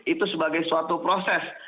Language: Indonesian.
itu sebagai suatu proses